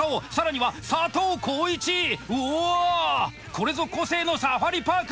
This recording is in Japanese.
これぞ個性のサファリパーク！